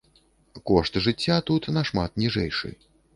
Кошт жыцця тут нашмат ніжэйшы.